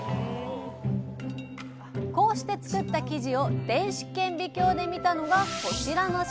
こうして作った生地を電子顕微鏡で見たのがこちらの写真。